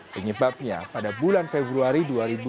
penyebabnya pada bulan februari dua ribu delapan belas